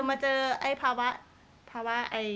ไอ้ภาวะ